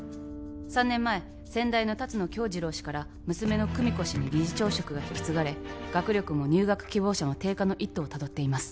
３年前先代の龍野恭二郎氏から娘の久美子氏に理事長職が引き継がれ学力も入学希望者も低下の一途をたどっています